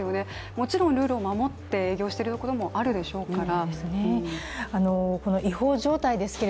もちろんルールを守って営業しているところもあるでしょうから。